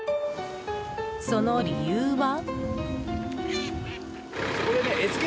その理由は。